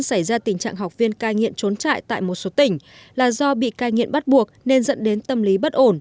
xảy ra tình trạng học viên cai nghiện trốn trại tại một số tỉnh là do bị cai nghiện bắt buộc nên dẫn đến tâm lý bất ổn